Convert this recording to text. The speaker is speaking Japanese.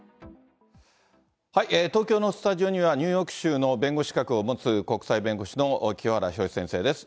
東京のスタジオには、ニューヨーク州の弁護士資格を持つ国際弁護士の清原博先生です。